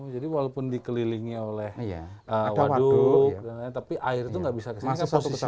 jadi walaupun dikelilingi oleh waduk tapi air itu tidak bisa ke sini kan posisinya